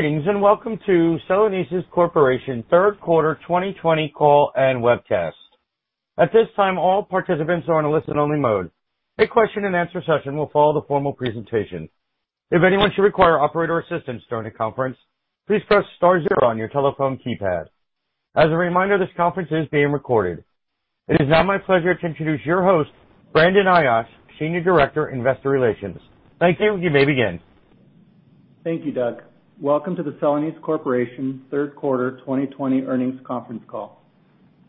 Greetings, and welcome to Celanese Corporation third quarter 2020 call and webcast. At this time, all participants are on a listen-only mode. A question and answer session will follow the formal presentation. If anyone should require operator assistance during the conference, please press star zero on your telephone keypad. As a reminder, this conference is being recorded. It is now my pleasure to introduce your host, Brandon Ayache, Senior Director, Investor Relations. Thank you. You may begin. Thank you, Doug. Welcome to the Celanese Corporation third quarter 2020 earnings conference call.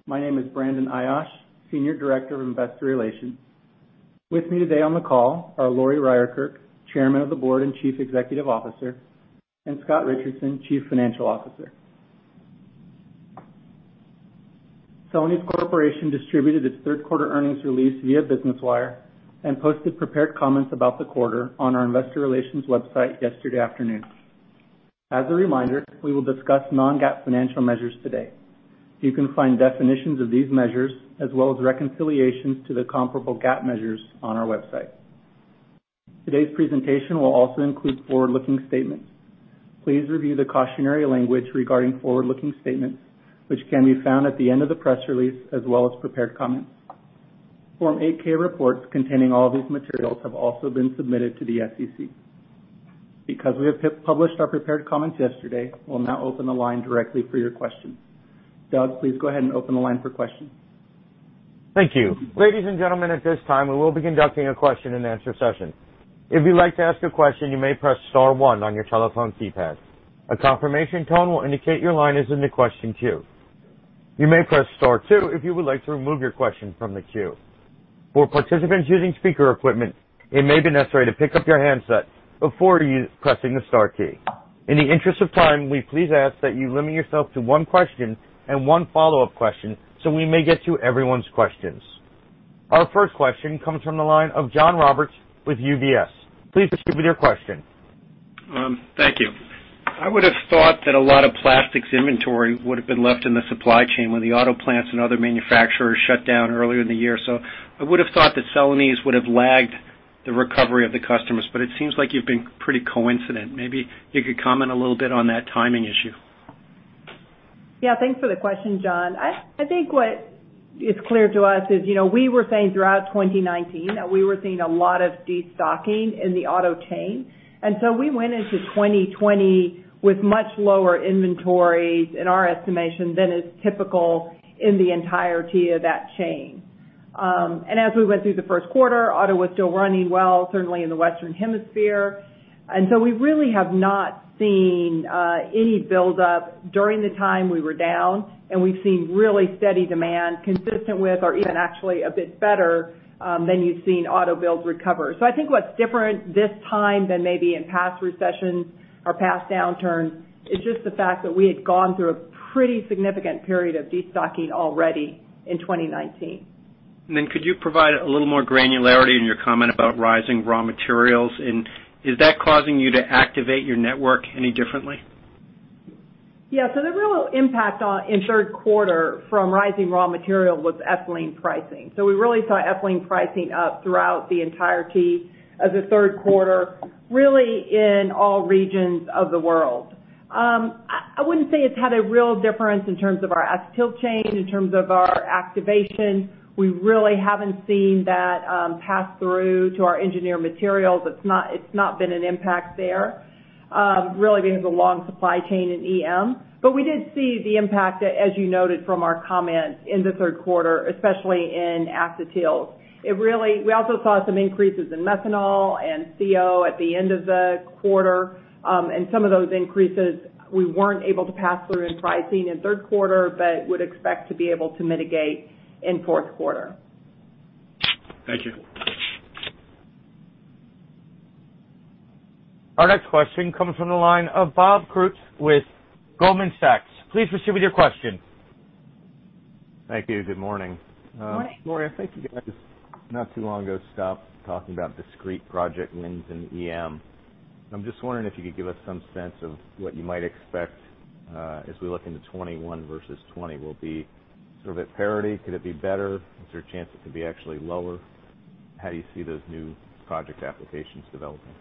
My name is Brandon Ayache, Senior Director of Investor Relations. With me today on the call are Lori Ryerkerk, Chairman of the Board and Chief Executive Officer, and Scott Richardson, Chief Financial Officer. Celanese Corporation distributed its third quarter earnings release via Business Wire and posted prepared comments about the quarter on our investor relations website yesterday afternoon. As a reminder, we will discuss non-GAAP financial measures today. You can find definitions of these measures as well as reconciliations to the comparable GAAP measures on our website. Today's presentation will also include forward-looking statements. Please review the cautionary language regarding forward-looking statements, which can be found at the end of the press release, as well as prepared comments. Form 8-K reports containing all of these materials have also been submitted to the SEC. Because we have published our prepared comments yesterday, we'll now open the line directly for your questions. Doug, please go ahead and open the line for questions. Thank you. Ladies and gentlemen, at this time, we will be conducting a question and answer session. If you'd like to ask a question, you may press star one on your telephone keypad. A confirmation tone will indicate your line is in the question queue. You may press star two if you would like to remove your question from the queue. For participants using speaker equipment, it may be necessary to pick up your handset before pressing the star key. In the interest of time, we please ask that you limit yourself to one question and one follow-up question so we may get to everyone's questions. Our first question comes from the line of John Roberts with UBS. Please proceed with your question. Thank you. I would have thought that a lot of plastics inventory would have been left in the supply chain when the auto plants and other manufacturers shut down earlier in the year. I would have thought that Celanese would have lagged the recovery of the customers, but it seems like you've been pretty coincident. Maybe you could comment a little bit on that timing issue. Thanks for the question, John. I think what is clear to us is we were saying throughout 2019 that we were seeing a lot of de-stocking in the auto chain. We went into 2020 with much lower inventories in our estimation than is typical in the entirety of that chain. As we went through the first quarter, auto was still running well, certainly in the Western Hemisphere. We really have not seen any buildup during the time we were down, and we've seen really steady demand consistent with or even actually a bit better than you've seen auto builds recover. I think what's different this time than maybe in past recessions or past downturns is just the fact that we had gone through a pretty significant period of de-stocking already in 2019. Could you provide a little more granularity in your comment about rising raw materials, and is that causing you to activate your network any differently? The real impact in third quarter from rising raw material was ethylene pricing. We really saw ethylene pricing up throughout the entirety of the third quarter, really in all regions of the world. I wouldn't say it's had a real difference in terms of our Acetyl Chain, in terms of our activation. We really haven't seen that pass through to our Engineered Materials. It's not been an impact there, really because of long supply chain in EM. We did see the impact, as you noted, from our comments in the third quarter, especially in acetyls. We also saw some increases in methanol and CO at the end of the quarter. Some of those increases we weren't able to pass through in pricing in third quarter, but would expect to be able to mitigate in fourth quarter. Thank you. Our next question comes from the line of Bob Koort with Goldman Sachs. Please proceed with your question. Thank you. Good morning. Morning. Lori, I think you guys not too long ago stopped talking about discrete project wins in EM. I'm just wondering if you could give us some sense of what you might expect as we look into 2021 versus 2020. Will it be sort of at parity? Could it be better? Is there a chance it could be actually lower? How do you see those new project applications developing?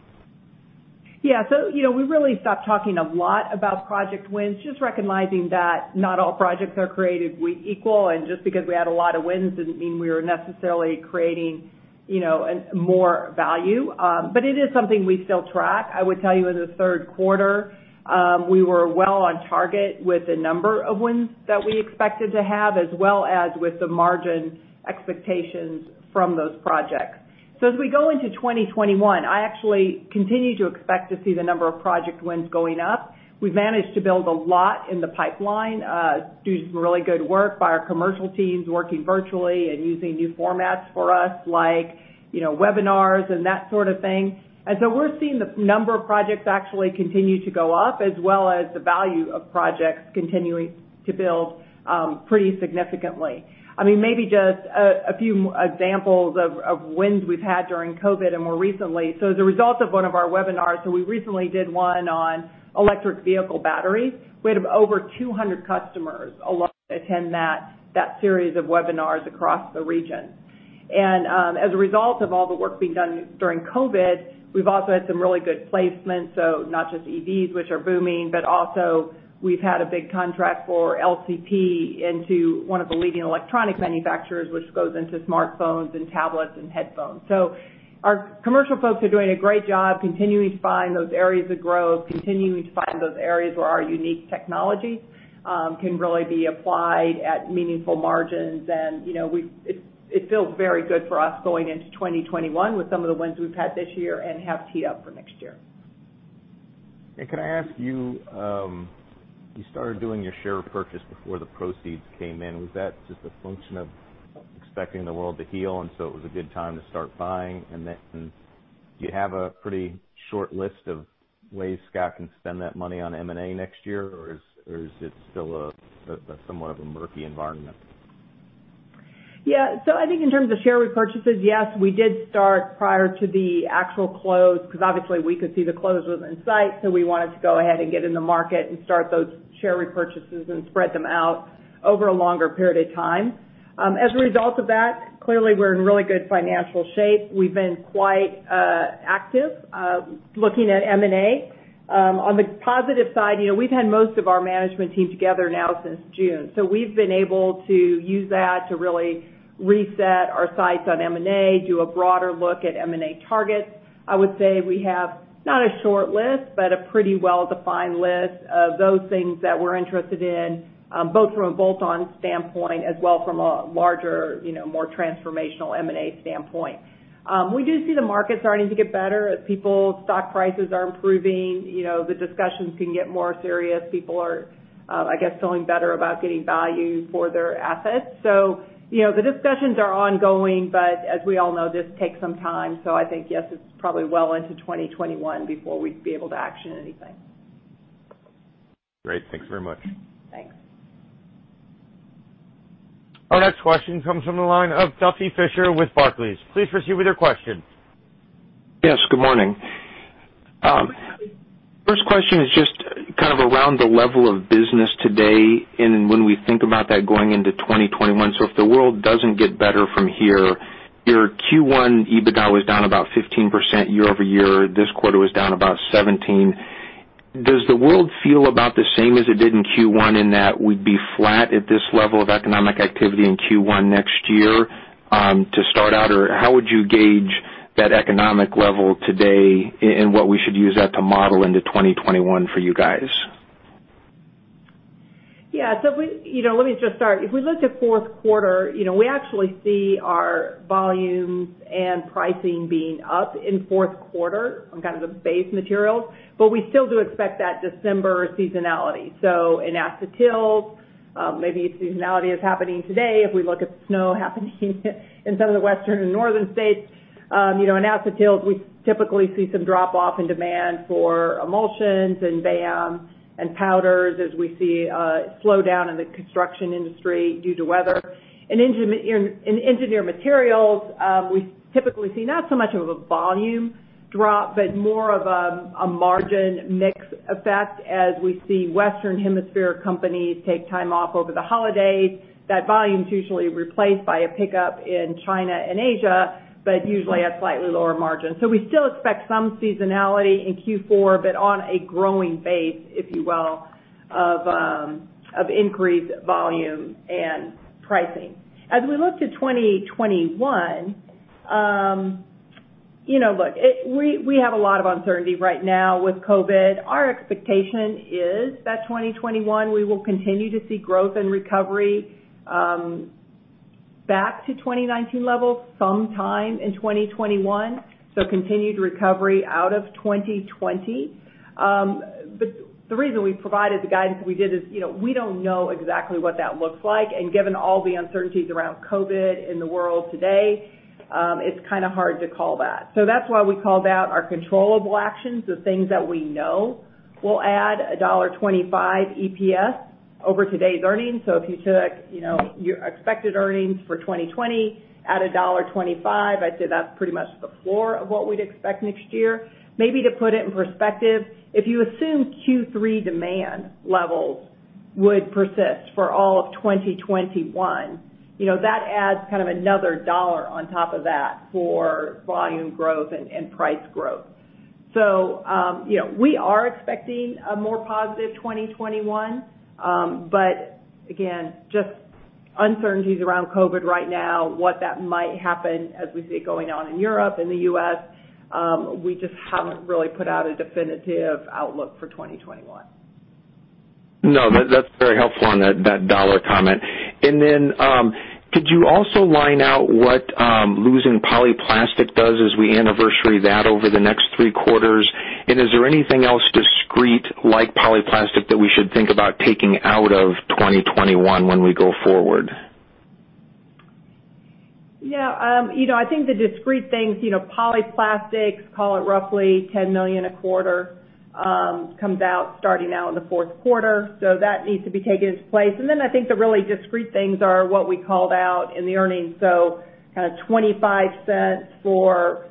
Yeah. We really stopped talking a lot about project wins, just recognizing that not all projects are created equal, and just because we had a lot of wins didn't mean we were necessarily creating more value. It is something we still track. I would tell you in the third quarter, we were well on target with the number of wins that we expected to have, as well as with the margin expectations from those projects. As we go into 2021, I actually continue to expect to see the number of project wins going up. We've managed to build a lot in the pipeline due to some really good work by our commercial teams working virtually and using new formats for us like webinars and that sort of thing. We're seeing the number of projects actually continue to go up as well as the value of projects continuing to build pretty significantly. Maybe just a few examples of wins we've had during COVID and more recently. As a result of one of our webinars, so we recently did one on electric vehicle batteries. We had over 200 customers attend that series of webinars across the region. As a result of all the work being done during COVID, we've also had some really good placements. Not just EVs, which are booming, but also we've had a big contract for LCP into one of the leading electronic manufacturers, which goes into smartphones and tablets and headphones. Our commercial folks are doing a great job continuing to find those areas of growth, continuing to find those areas where our unique technology can really be applied at meaningful margins. It feels very good for us going into 2021 with some of the wins we've had this year and have teed up for next year. Can I ask you started doing your share purchase before the proceeds came in. Was that just a function of expecting the world to heal, and so it was a good time to start buying? Do you have a pretty short list of ways Scott can spend that money on M&A next year, or is it still somewhat of a murky environment? I think in terms of share repurchases, yes, we did start prior to the actual close, because obviously we could see the close was in sight, we wanted to go ahead and get in the market and start those share repurchases and spread them out over a longer period of time. As a result of that, clearly, we're in really good financial shape. We've been quite active looking at M&A. On the positive side, we've had most of our management team together now since June. We've been able to use that to really reset our sights on M&A, do a broader look at M&A targets. I would say we have not a short list, but a pretty well-defined list of those things that we're interested in, both from a bolt-on standpoint as well from a larger, more transformational M&A standpoint. We do see the market starting to get better as people's stock prices are improving. The discussions can get more serious. People are, I guess, feeling better about getting value for their assets. The discussions are ongoing, but as we all know, this takes some time. I think, yes, it's probably well into 2021 before we'd be able to action anything. Great. Thanks very much. Thanks. Our next question comes from the line of Duffy Fischer with Barclays. Please proceed with your question. Yes, good morning. First question is just kind of around the level of business today and when we think about that going into 2021. If the world doesn't get better from here, your Q1 EBITDA was down about 15% year-over-year. This quarter was down about 17%. Does the world feel about the same as it did in Q1 in that we'd be flat at this level of economic activity in Q1 next year to start out? How would you gauge that economic level today and what we should use that to model into 2021 for you guys? Yeah. Let me just start. If we look to fourth quarter, we actually see our volumes and pricing being up in fourth quarter on kind of the base materials, but we still do expect that December seasonality. In acetyls, maybe seasonality is happening today if we look at snow happening in some of the western and northern states. In acetyls, we typically see some drop off in demand for emulsions and VAM and powders as we see a slowdown in the construction industry due to weather. In Engineered Materials, we typically see not so much of a volume drop, but more of a margin mix effect as we see Western Hemisphere companies take time off over the holidays. That volume's usually replaced by a pickup in China and Asia, but usually at slightly lower margins. We still expect some seasonality in Q4, but on a growing base, if you will, of increased volume and pricing. As we look to 2021, look, we have a lot of uncertainty right now with COVID. Our expectation is that 2021, we will continue to see growth and recovery back to 2019 levels sometime in 2021, so continued recovery out of 2020. The reason we provided the guidance that we did is we don't know exactly what that looks like, and given all the uncertainties around COVID in the world today, it's kind of hard to call that. That's why we called out our controllable actions, the things that we know will add $1.25 EPS over today's earnings. If you took your expected earnings for 2020, add $1.25, I'd say that's pretty much the floor of what we'd expect next year. Maybe to put it in perspective, if you assume Q3 demand levels would persist for all of 2021, that adds kind of another dollar on top of that for volume growth and price growth. We are expecting a more positive 2021. again, just uncertainties around COVID right now, what that might happen as we see it going on in Europe and the U.S., we just haven't really put out a definitive outlook for 2021. No, that's very helpful on that dollar comment. Could you also line out what losing Polyplastics does as we anniversary that over the next three quarters? Is there anything else discrete like Polyplastics that we should think about taking out of 2021 when we go forward? Yeah. I think the discrete things, Polyplastics, call it roughly $10 million a quarter comes out starting out in the fourth quarter. That needs to be taken into place. I think the really discrete things are what we called out in the earnings. Kind of $0.25 for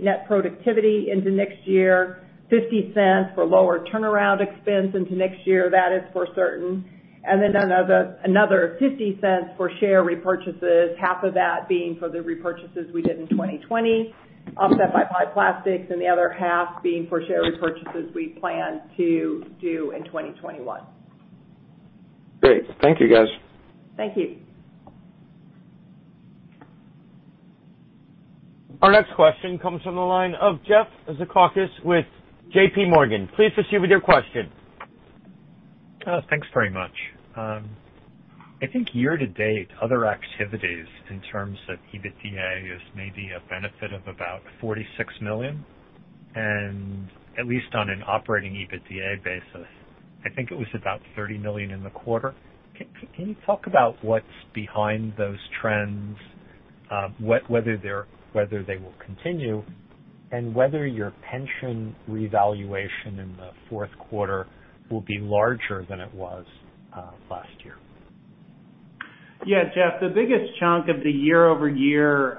net productivity into next year, $0.50 for lower turnaround expense into next year, that is for certain. Another $0.50 for share repurchases, half of that being for the repurchases we did in 2020, offset by Polyplastics, and the other half being for share repurchases we plan to do in 2021. Great. Thank you, guys. Thank you. Our next question comes from the line of Jeff Zekauskas with JPMorgan. Please proceed with your question. Thanks very much. I think year to date, other activities in terms of EBITDA is maybe a benefit of about $46 million, and at least on an operating EBITDA basis, I think it was about $30 million in the quarter. Can you talk about what's behind those trends? Whether they will continue, and whether your pension revaluation in the fourth quarter will be larger than it was last year. Yeah, Jeff, the biggest chunk of the year-over-year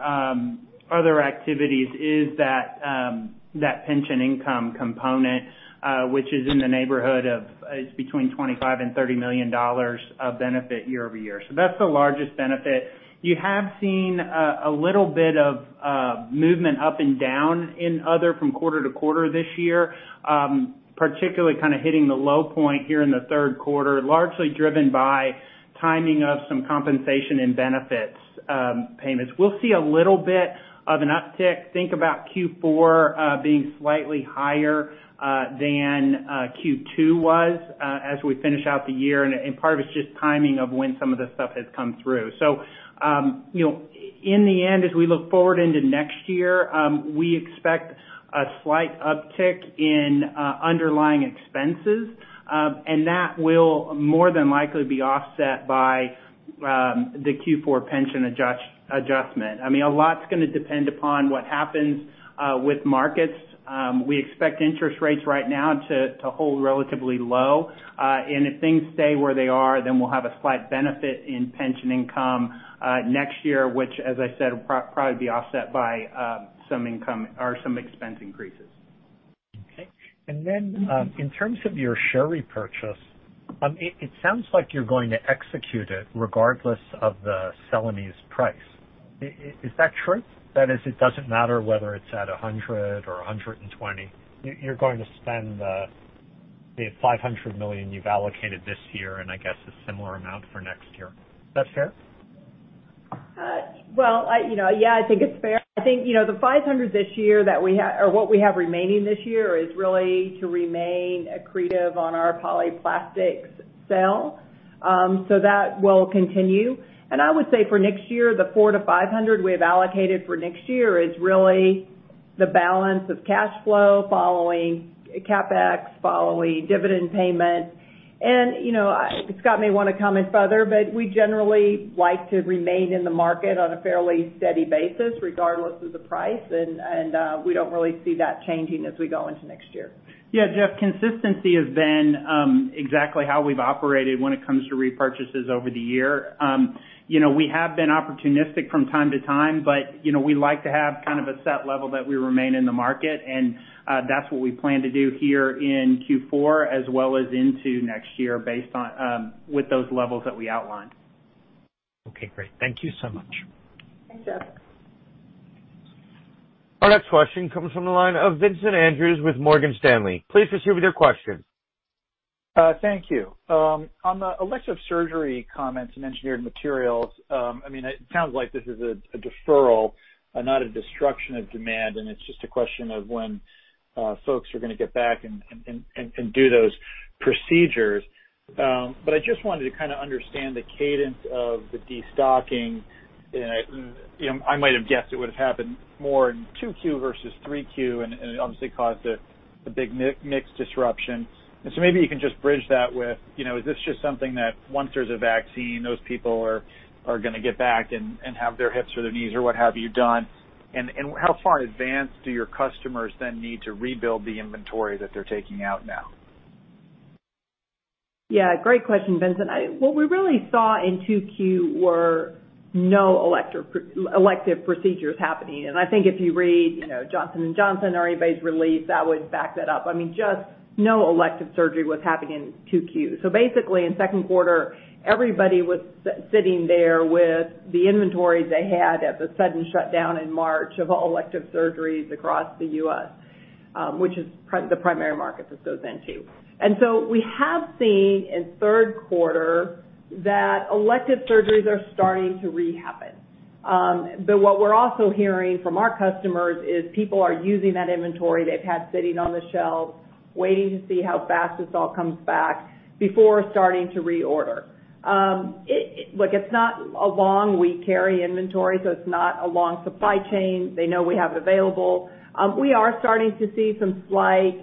other activities is that pension income component, which is in the neighborhood of between $25 million and $30 million of benefit year-over-year. That's the largest benefit. You have seen a little bit of movement up and down in other from quarter to quarter this year, particularly kind of hitting the low point here in the third quarter, largely driven by timing of some compensation and benefits payments. We'll see a little bit of an uptick. Think about Q4 being slightly higher than Q2 was as we finish out the year, and part of it is just timing of when some of this stuff has come through. In the end, as we look forward into next year, we expect a slight uptick in underlying expenses. That will more than likely be offset by the Q4 pension adjustment. A lot's going to depend upon what happens with markets. We expect interest rates right now to hold relatively low. If things stay where they are, then we'll have a slight benefit in pension income next year, which as I said, will probably be offset by some expense increases. Okay. In terms of your share repurchase, it sounds like you're going to execute it regardless of the Celanese price. Is that true? That is, it doesn't matter whether it's at $100 million or $120 million, you're going to spend the $500 million you've allocated this year and I guess a similar amount for next year. Is that fair? Well, yeah, I think it's fair. I think the $500 million this year that we have, or what we have remaining this year is really to remain accretive on our Polyplastics sale. That will continue. I would say for next year, the $400 million-$500 million we have allocated for next year is really the balance of cash flow following CapEx, following dividend payment. Scott may want to comment further, but we generally like to remain in the market on a fairly steady basis, regardless of the price. We don't really see that changing as we go into next year. Yeah, Jeff, consistency has been exactly how we've operated when it comes to repurchases over the year. We have been opportunistic from time to time, but we like to have kind of a set level that we remain in the market, and that's what we plan to do here in Q4 as well as into next year with those levels that we outlined. Okay, great. Thank you so much. Thanks, Jeff. Our next question comes from the line of Vincent Andrews with Morgan Stanley. Please proceed with your question. Thank you. On the elective surgery comments in Engineered Materials, it sounds like this is a deferral and not a destruction of demand, and it's just a question of when folks are going to get back and do those procedures. I just wanted to kind of understand the cadence of the destocking, and I might have guessed it would have happened more in 2Q versus 3Q, and it obviously caused a big mix disruption. Maybe you can just bridge that with, is this just something that once there's a vaccine, those people are going to get back and have their hips or their knees or what have you done? How far in advance do your customers then need to rebuild the inventory that they're taking out now? Yeah, great question, Vincent. What we really saw in 2Q were no elective procedures happening. I think if you read Johnson & Johnson or anybody's release, that would back that up. Just no elective surgery was happening in 2Q. Basically, in second quarter, everybody was sitting there with the inventory they had at the sudden shutdown in March of all elective surgeries across the U.S., which is the primary market this goes into. We have seen in third quarter that elective surgeries are starting to rehappen. What we're also hearing from our customers is people are using that inventory they've had sitting on the shelves, waiting to see how fast this all comes back before starting to reorder. Look, it's not a long, we carry inventory, so it's not a long supply chain. They know we have it available. We are starting to see some slight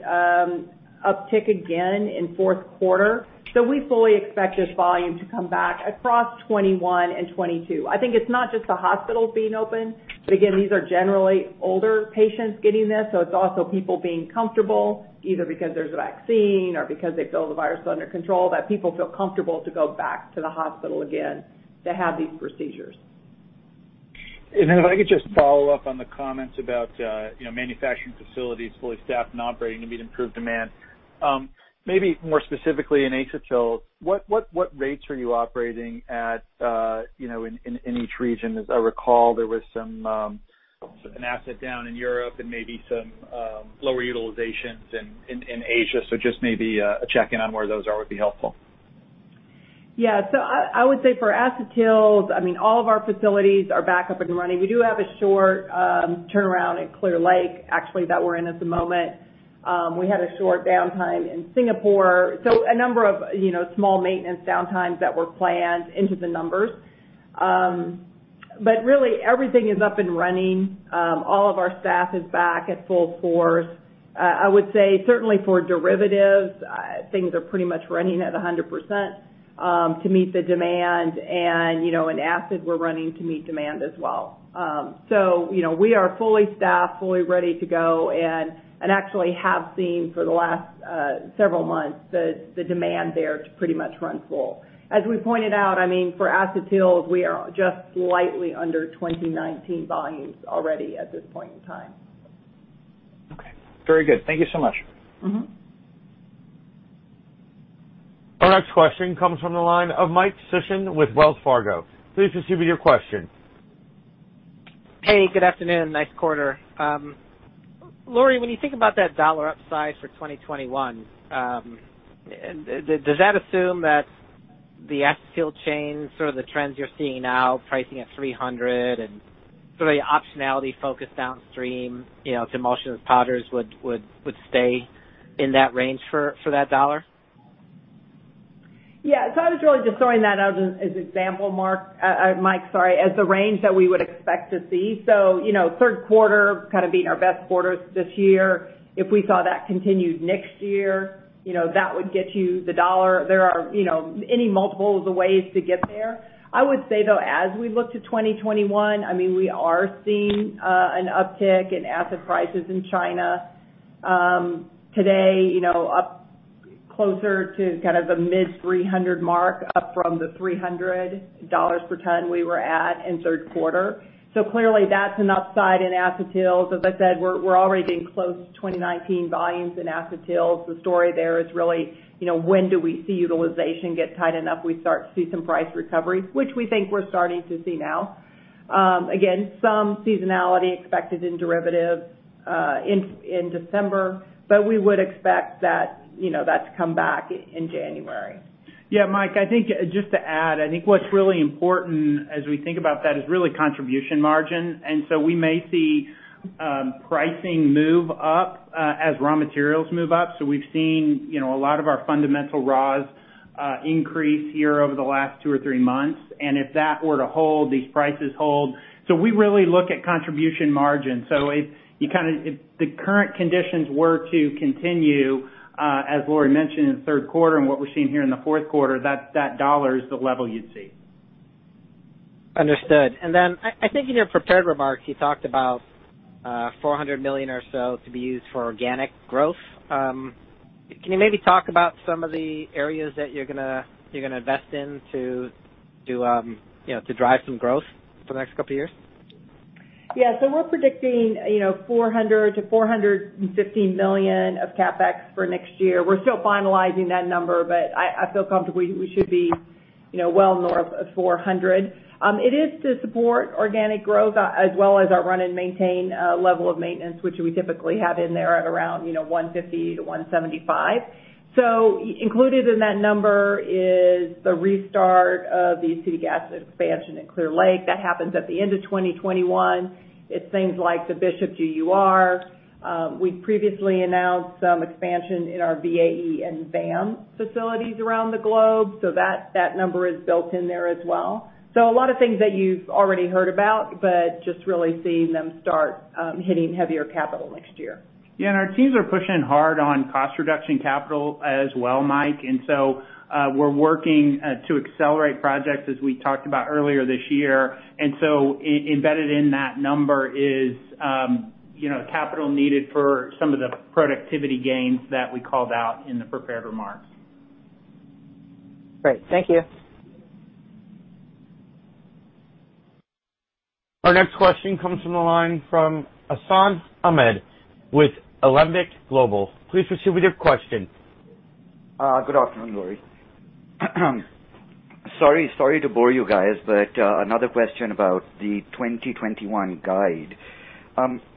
uptick again in fourth quarter. we fully expect this volume to come back across 2021 and 2022. I think it's not just the hospitals being open. again, these are generally older patients getting this, so it's also people being comfortable, either because there's a vaccine or because they feel the virus is under control, that people feel comfortable to go back to the hospital again to have these procedures. Then if I could just follow up on the comments about manufacturing facilities fully staffed and operating to meet improved demand. Maybe more specifically in acetyls, what rates are you operating at in each region? As I recall, there was an asset down in Europe and maybe some lower utilizations in Asia. just maybe a check-in on where those are would be helpful. Yeah. I would say for acetyls, all of our facilities are back up and running. We do have a short turnaround at Clear Lake, actually, that we're in at the moment. We had a short downtime in Singapore. A number of small maintenance downtimes that were planned into the numbers. Really everything is up and running. All of our staff is back at full force. I would say certainly for derivatives, things are pretty much running at 100% to meet the demand. In acid, we're running to meet demand as well. We are fully staffed, fully ready to go, and actually have seen for the last several months the demand there to pretty much run full. As we pointed out, for acetyls, we are just slightly under 2019 volumes already at this point in time. Okay. Very good. Thank you so much. Our next question comes from the line of Mike Sison with Wells Fargo. Please proceed with your question. Hey, good afternoon. Nice quarter. Lori, when you think about that dollar upside for 2021, does that assume that the Acetyl Chain, sort of the trends you're seeing now, pricing at $300 and sort of the optionality focused downstream, to emulsions, powders would stay in that range for that dollar? Yeah. I was really just throwing that out as an example, Mike, as the range that we would expect to see. Third quarter kind of being our best quarter this year. If we saw that continued next year, that would get you the dollar. There are any multiples of ways to get there. I would say, though, as we look to 2021, we are seeing an uptick in acid prices in China. Today, up closer to kind of the mid-$300 mark, up from the $300 per ton we were at in the third quarter. Clearly that's an upside in acetyls. As I said, we're already getting close to 2019 volumes in acetyls. The story there is really, when do we see utilization get tight enough we start to see some price recoveries, which we think we're starting to see now. Again, some seasonality expected in derivative in December, but we would expect that to come back in January. Yeah, Mike, I think just to add, I think what's really important as we think about that is really contribution margin. We may see pricing move up as raw materials move up. We've seen a lot of our fundamental raws increase here over the last two or three months. If that were to hold, these prices hold. We really look at contribution margin. If the current conditions were to continue, as Lori mentioned in the third quarter and what we're seeing here in the fourth quarter, that dollar is the level you'd see. Understood. I think in your prepared remarks, you talked about $400 million or so to be used for organic growth. Can you maybe talk about some of the areas that you're going to invest in to drive some growth for the next couple of years? Yeah. We're predicting $400 million-$450 million of CapEx for next year. We're still finalizing that number, but I feel comfortable we should be well north of $400 million. It is to support organic growth as well as our run and maintain level of maintenance, which we typically have in there at around $150 million-$175 million. Included in that number is the restart of the acetic acid expansion at Clear Lake. That happens at the end of 2021. It's things like the Bishop GUR, we previously announced some expansion in our VAE and VAM facilities around the globe, so that number is built in there as well. A lot of things that you've already heard about, but just really seeing them start hitting heavier capital next year. Yeah, our teams are pushing hard on cost reduction capital as well, Mike. we're working to accelerate projects as we talked about earlier this year. embedded in that number is capital needed for some of the productivity gains that we called out in the prepared remarks. Great. Thank you. Our next question comes from the line from Hassan Ahmed with Alembic Global. Please proceed with your question. Good afternoon, Lori. Sorry to bore you guys, but another question about the 2021 guide.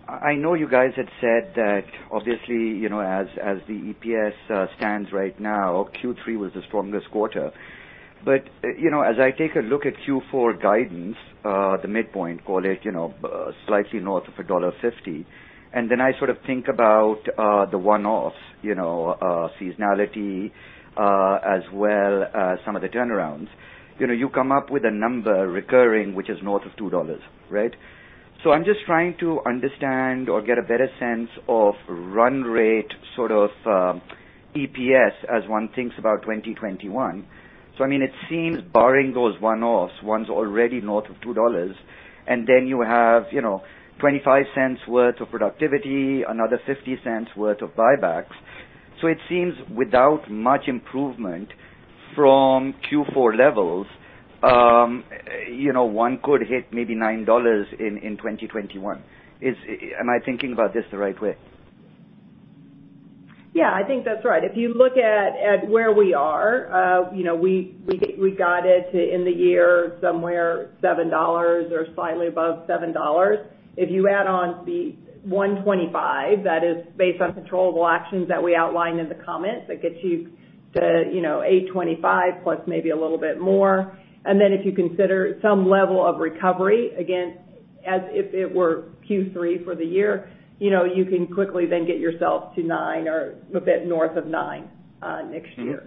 I know you guys had said that obviously, as the EPS stands right now, Q3 was the strongest quarter. As I take a look at Q4 guidance, the midpoint, call it slightly north of $1.50, and then I sort of think about the one-off, seasonality, as well as some of the turnarounds. You come up with a number recurring, which is north of $2, right? I'm just trying to understand or get a better sense of run rate, sort of EPS as one thinks about 2021. I mean, it seems barring those one-offs, one's already north of $2, and then you have $0.25 worth of productivity, another $0.50 worth of buybacks. It seems without much improvement from Q4 levels, one could hit maybe $9 in 2021. Am I thinking about this the right way? Yeah, I think that's right. If you look at where we are, we got it to, in the year, somewhere $7 or slightly above $7. If you add on the $1.25, that is based on controllable actions that we outlined in the comments, that gets you to $8.25 plus maybe a little bit more. If you consider some level of recovery, again, as if it were Q3 for the year, you can quickly then get yourself to $9 or a bit north of $9 next year.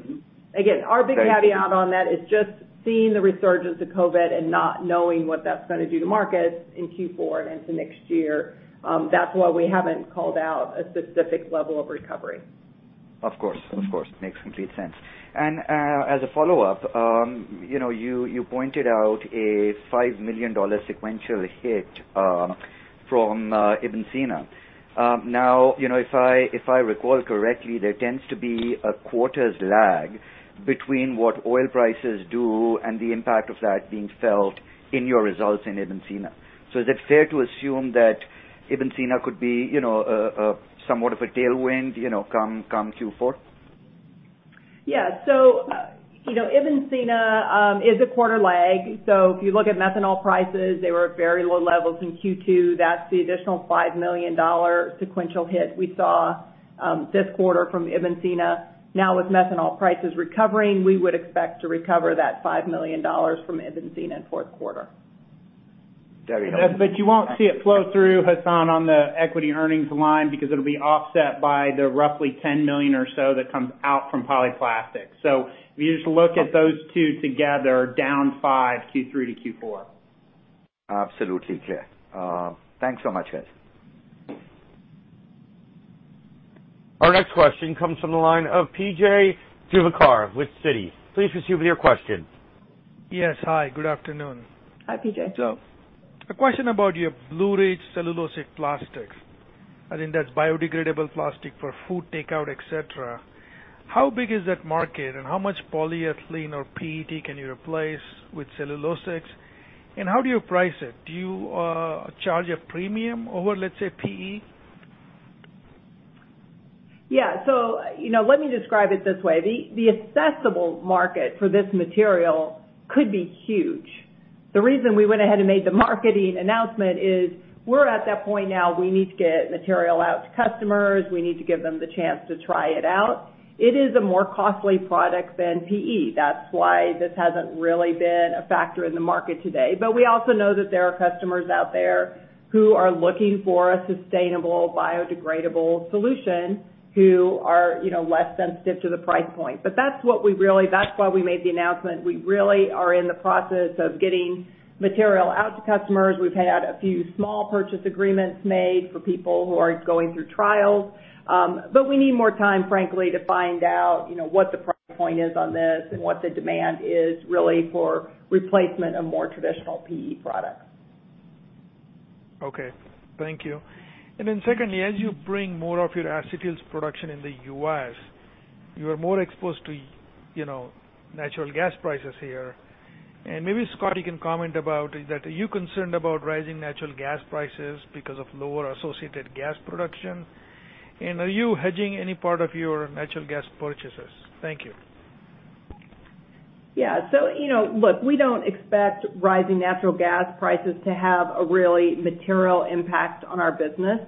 Again, our big caveat on that is just seeing the resurgence of COVID and not knowing what that's going to do to markets in Q4 and into next year. That's why we haven't called out a specific level of recovery. Of course. Makes complete sense. As a follow-up, you pointed out a $5 million sequential hit from Ibn Sina. Now, if I recall correctly, there tends to be a quarter's lag between what oil prices do and the impact of that being felt in your results in Ibn Sina. Is it fair to assume that Ibn Sina could be somewhat of a tailwind, come Q4? Yeah. Ibn Sina is a quarter lag. If you look at methanol prices, they were at very low levels in Q2. That's the additional $5 million sequential hit we saw this quarter from Ibn Sina. Now with methanol prices recovering, we would expect to recover that $5 million from Ibn Sina in fourth quarter. Very helpful. You won't see it flow through, Hassan, on the equity earnings line because it'll be offset by the roughly $10 million or so that comes out from Polyplastics. if you just look at those two together, down $5 million, Q3 to Q4. Absolutely. Clear. Thanks so much, guys. Our next question comes from the line of P.J. Juvekar with Citi. Please proceed with your question. Yes. Hi, good afternoon. Hi, P.J. A question about your BlueRidge cellulosic plastics. I think that's biodegradable plastic for food takeout, et cetera. How big is that market, and how much polyethylene or PET can you replace with cellulosics, and how do you price it? Do you charge a premium over, let's say, PE? Yeah. Let me describe it this way. The accessible market for this material could be huge. The reason we went ahead and made the marketing announcement is we're at that point now we need to get material out to customers. We need to give them the chance to try it out. It is a more costly product than PE. That's why this hasn't really been a factor in the market today. We also know that there are customers out there who are looking for a sustainable, biodegradable solution who are less sensitive to the price point. That's why we made the announcement. We really are in the process of getting material out to customers. We've had a few small purchase agreements made for people who are going through trials. We need more time, frankly, to find out what the price point is on this and what the demand is really for replacement of more traditional PE products. Okay. Thank you. Secondly, as you bring more of your acetyls production in the U.S., you are more exposed to natural gas prices here. Maybe, Scott, you can comment about, are you concerned about rising natural gas prices because of lower associated gas production? Are you hedging any part of your natural gas purchases? Thank you. Yeah. Look, we don't expect rising natural gas prices to have a really material impact on our business.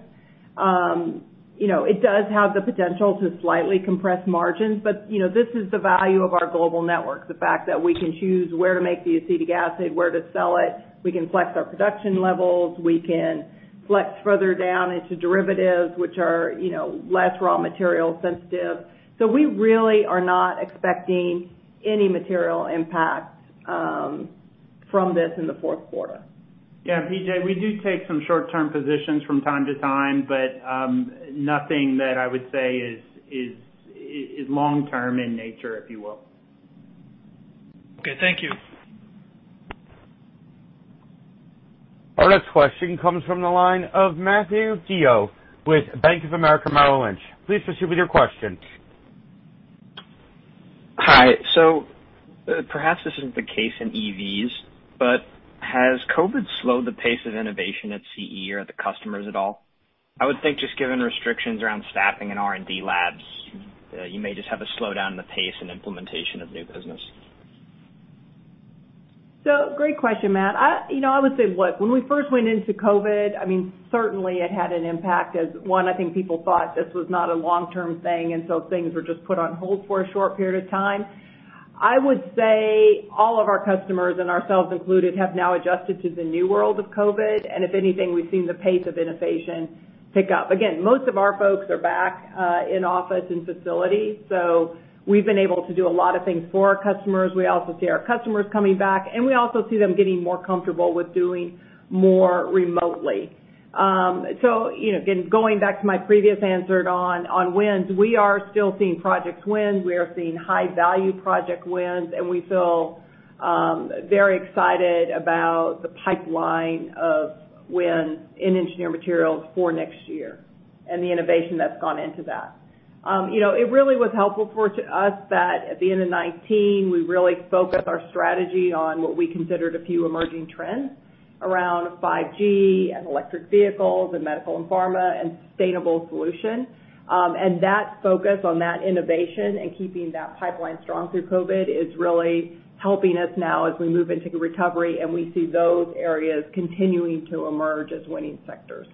It does have the potential to slightly compress margins, but this is the value of our global network, the fact that we can choose where to make the acetic acid, where to sell it. We can flex our production levels. We can flex further down into derivatives, which are less raw material sensitive. We really are not expecting any material impact from this in the fourth quarter. Yeah, P.J., we do take some short-term positions from time to time, but nothing that I would say is long-term in nature, if you will. Okay. Thank you. Our next question comes from the line of Matthew DeYoe with Bank of America Merrill Lynch. Please proceed with your question. Hi. Perhaps this isn't the case in EVs, but has COVID slowed the pace of innovation at CE or at the customers at all? I would think just given restrictions around staffing and R&D labs, you may just have a slowdown in the pace and implementation of new business. Great question, Matt. I would say, look, when we first went into COVID, certainly it had an impact as one, I think people thought this was not a long-term thing, and so things were just put on hold for a short period of time. I would say all of our customers, and ourselves included, have now adjusted to the new world of COVID, and if anything, we've seen the pace of innovation pick up. Again, most of our folks are back in office and facilities, so we've been able to do a lot of things for our customers. We also see our customers coming back, and we also see them getting more comfortable with doing more remotely. Again, going back to my previous answer on wins, we are still seeing projects win. We are seeing high-value project wins, and we feel very excited about the pipeline of wins in Engineered Materials for next year. The innovation that's gone into that. It really was helpful for us that at the end of 2019, we really focused our strategy on what we considered a few emerging trends around 5G and electric vehicles and medical and pharma and sustainable solution. That focus on that innovation and keeping that pipeline strong through COVID is really helping us now as we move into recovery, and we see those areas continuing to emerge as winning sectors.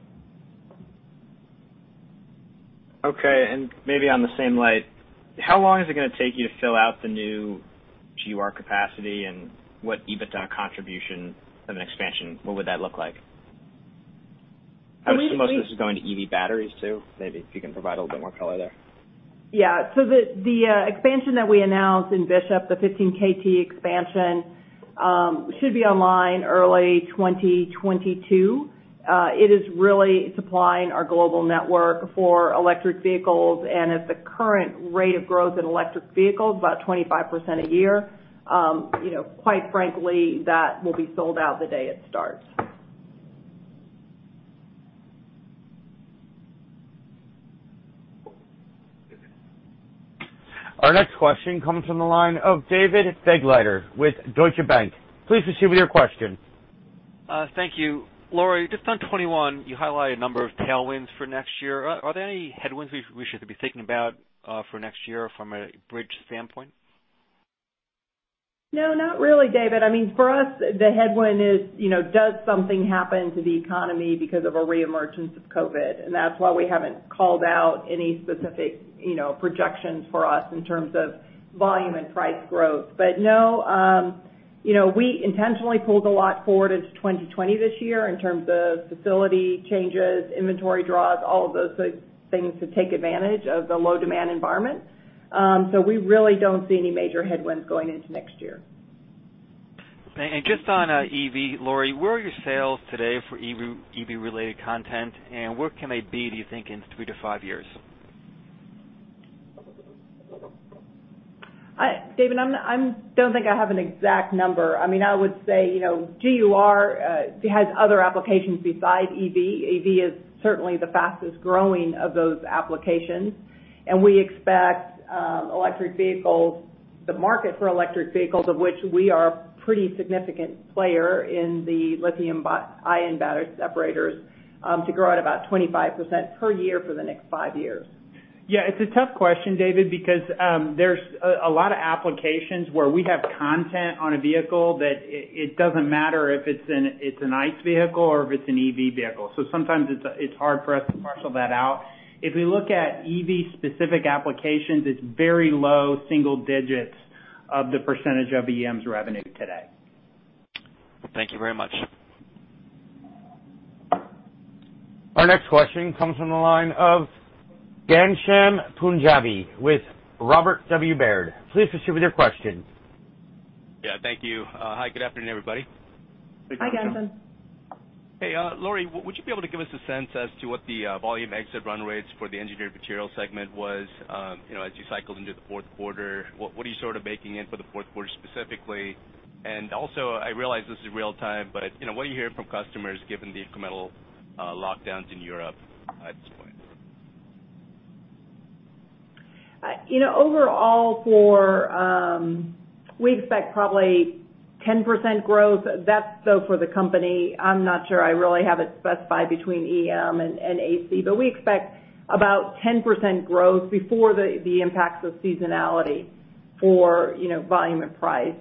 Okay, maybe on the same light, how long is it going to take you to fill out the new GUR capacity and what EBITDA contribution of an expansion, what would that look like? Let me- I assume most of this is going to EV batteries too. Maybe if you can provide a little bit more color there. Yeah. The expansion that we announced in Bishop, the 15 kt expansion, should be online early 2022. It is really supplying our global network for electric vehicles, and at the current rate of growth in electric vehicles, about 25% a year. Quite frankly, that will be sold out the day it starts. Our next question comes from the line of David Begleiter with Deutsche Bank. Please proceed with your question. Thank you. Lori, just on 2021, you highlight a number of tailwinds for next year. Are there any headwinds we should be thinking about for next year from a bridge standpoint? No, not really, David. For us, the headwind is, does something happen to the economy because of a re-emergence of COVID. That's why we haven't called out any specific projections for us in terms of volume and price growth. no, we intentionally pulled a lot forward into 2020 this year in terms of facility changes, inventory draws, all of those things to take advantage of the low demand environment. We really don't see any major headwinds going into next year. Just on EV, Lori, where are your sales today for EV related content and where can they be, do you think, in three to five years? David, I don't think I have an exact number. I would say GUR has other applications besides EV. EV is certainly the fastest growing of those applications, and we expect the market for electric vehicles, of which we are a pretty significant player in the lithium ion battery separators, to grow at about 25% per year for the next five years. Yeah, it's a tough question, David, because there's a lot of applications where we have content on a vehicle that it doesn't matter if it's an ICE vehicle or if it's an EV vehicle. sometimes it's hard for us to parcel that out. If we look at EV-specific applications, it's very low single digits of the percentage of EM's revenue today. Thank you very much. Our next question comes from the line of Ghansham Panjabi with Robert W. Baird. Please proceed with your question. Yeah, thank you. Hi, good afternoon, everybody. Hi, Ghansham. Hi, Ghansham. Hey, Lori, would you be able to give us a sense as to what the volume exit run rates for the Engineered Material segment was as you cycle into the fourth quarter? What are you baking in for the fourth quarter specifically? Also, I realize this is real time, but what are you hearing from customers given the incremental lockdowns in Europe at this point? Overall we expect probably 10% growth. That's though for the company. I'm not sure I really have it specified between EM and AC, but we expect about 10% growth before the impacts of seasonality for volume and price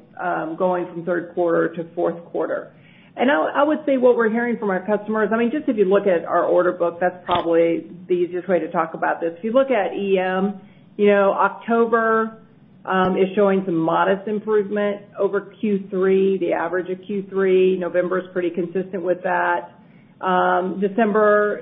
going from third quarter to fourth quarter. I would say what we're hearing from our customers, just if you look at our order book, that's probably the easiest way to talk about this. If you look at EM, October is showing some modest improvement over Q3, the average of Q3. November is pretty consistent with that. December.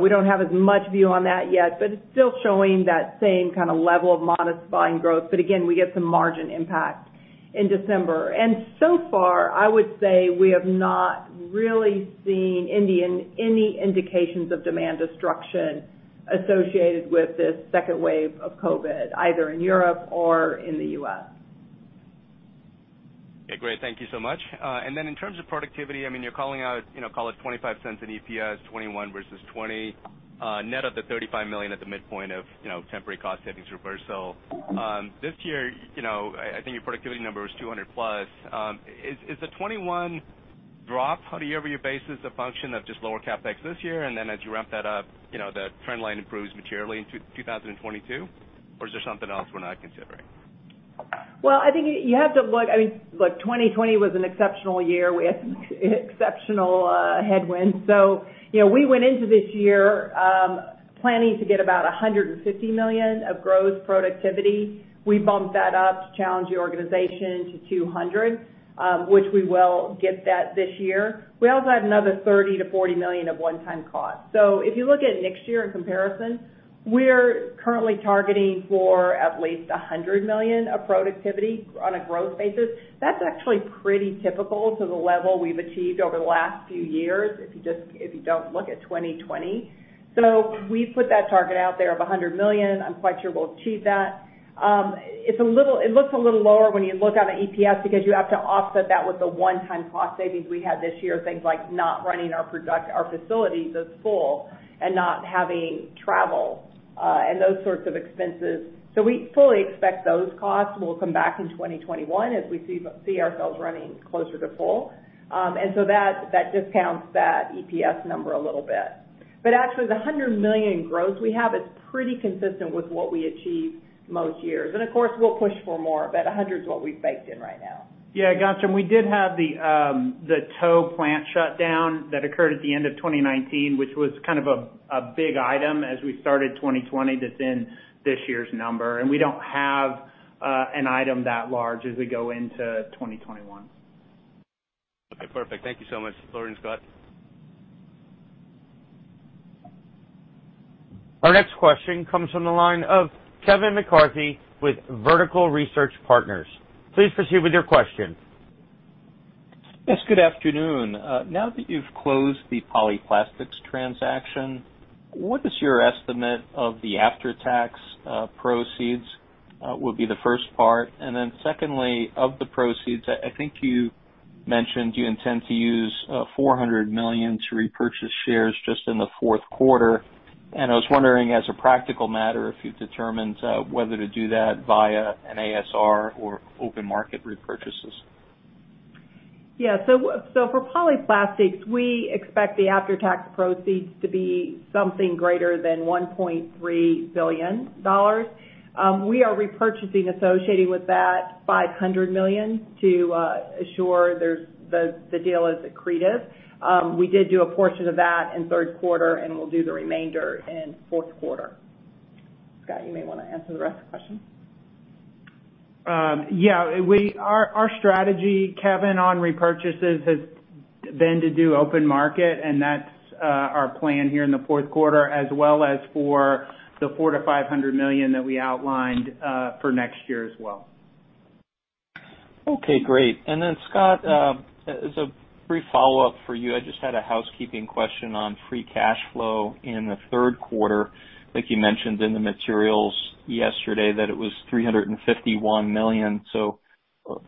We don't have as much view on that yet, but it's still showing that same level of modest volume growth. Again, we get some margin impact in December. So far, I would say we have not really seen any indications of demand destruction associated with this second wave of COVID, either in Europe or in the U.S. Okay, great. Thank you so much. In terms of productivity, you're calling out call it $0.25 in EPS 2021 versus 2020 net of the $35 million at the midpoint of temporary cost savings reversal. This year, I think your productivity number was $200 million plus. Is the 2021 drop on a year-over-year basis a function of just lower CapEx this year, and then as you ramp that up, the trend line improves materially in 2022, or is there something else we're not considering? Well, I think you have to look. Look, 2020 was an exceptional year. We had some exceptional headwinds. We went into this year planning to get about $150 million of gross productivity. We bumped that up to challenge the organization to $200 million, which we will get that this year. We also had another $30 million-$40 million of one-time costs. If you look at next year in comparison, we're currently targeting for at least $100 million of productivity on a gross basis. That's actually pretty typical to the level we've achieved over the last few years, if you don't look at 2020. We put that target out there of $100 million. I'm quite sure we'll achieve that. It looks a little lower when you look on an EPS because you have to offset that with the one-time cost savings we had this year, things like not running our facilities as full and not having travel, and those sorts of expenses. We fully expect those costs will come back in 2021 as we see ourselves running closer to full. That discounts that EPS number a little bit. Actually, the $100 million in gross we have is pretty consistent with what we achieve most years. Of course, we'll push for more, but $100 million is what we've baked in right now. Yeah, got you. We did have the tow plant shutdown that occurred at the end of 2019, which was kind of a big item as we started 2020 that's in this year's number, and we don't have an item that large as we go into 2021. Okay, perfect. Thank you so much, Lori and Scott. Our next question comes from the line of Kevin McCarthy with Vertical Research Partners. Please proceed with your question. Yes, good afternoon. Now that you've closed the Polyplastics transaction, what is your estimate of the after-tax proceeds, would be the first part. Secondly, of the proceeds, I think you mentioned you intend to use $400 million to repurchase shares just in the fourth quarter. I was wondering, as a practical matter, if you've determined whether to do that via an ASR or open market repurchases. Yeah. for Polyplastics, we expect the after-tax proceeds to be something greater than $1.3 billion. We are repurchasing, associated with that, $500 million to assure the deal is accretive. We did do a portion of that in third quarter, and we'll do the remainder in fourth quarter. Scott, you may want to answer the rest of the question. Yeah. Our strategy, Kevin, on repurchases, has been to do open market, and that's our plan here in the fourth quarter, as well as for the $400 million-$500 million that we outlined for next year as well. Okay, great. Scott, as a brief follow-up for you, I just had a housekeeping question on free cash flow in the third quarter. I think you mentioned in the materials yesterday that it was $351 million, so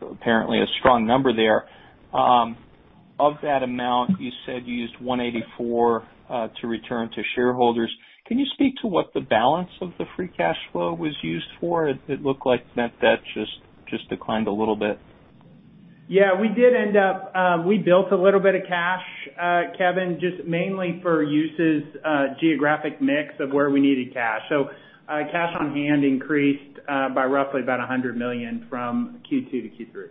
apparently a strong number there. Of that amount, you said you used $184 million to return to shareholders. Can you speak to what the balance of the free cash flow was used for? It looked like net debt just declined a little bit. Yeah, we built a little bit of cash, Kevin, just mainly for uses, geographic mix of where we needed cash. Cash on hand increased by roughly about $100 million from Q2-Q3.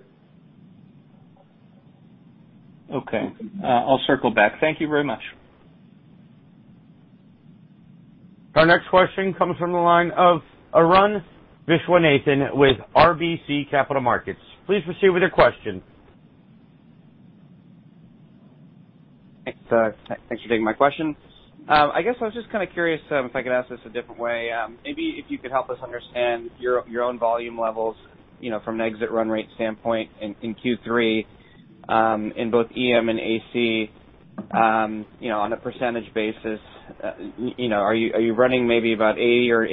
Okay. I'll circle back. Thank you very much. Our next question comes from the line of Arun Viswanathan with RBC Capital Markets. Please proceed with your question. Thanks for taking my question. I guess I was just kind of curious, if I could ask this a different way, maybe if you could help us understand your own volume levels from an exit run rate standpoint in Q3, in both EM and AC. On a percentage basis, are you running maybe about 80% or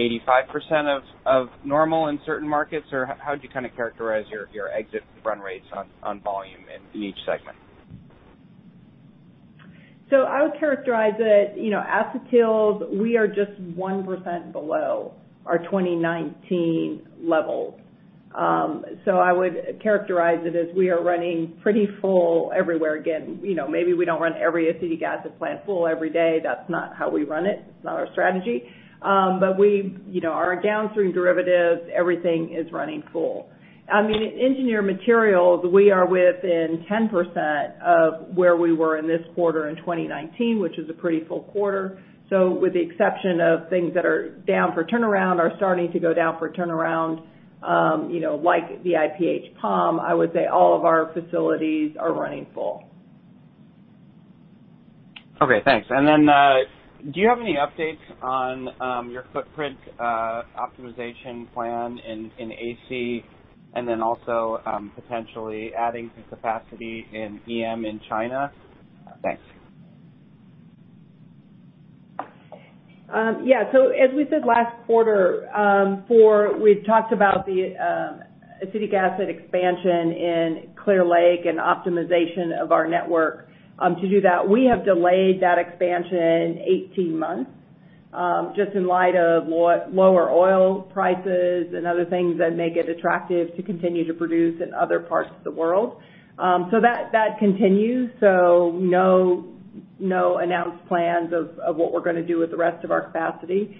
85% of normal in certain markets, or how do you kind of characterize your exit run rates on volume in each segment? I would characterize it, acetyl, we are just 1% below our 2019 levels. I would characterize it as we are running pretty full everywhere. Again, maybe we don't run every acetic acid plant full every day. That's not how we run it. It's not our strategy. Our downstream derivatives, everything is running full. In Engineered Materials, we are within 10% of where we were in this quarter in 2019, which is a pretty full quarter. with the exception of things that are down for turnaround, are starting to go down for turnaround, like the IPH POM, I would say all of our facilities are running full. Okay, thanks. Do you have any updates on your footprint optimization plan in AC, and then also potentially adding some capacity in EM in China? Thanks. Yeah. As we said last quarter, we've talked about the acetic acid expansion in Clear Lake and optimization of our network. To do that, we have delayed that expansion 18 months, just in light of lower oil prices and other things that make it attractive to continue to produce in other parts of the world. That continues. No announced plans of what we're going to do with the rest of our capacity.